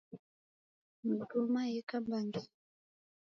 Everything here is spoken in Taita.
Migoma yeka mbangenyi.